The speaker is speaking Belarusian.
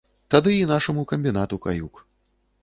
Тады і нашаму камбінату каюк.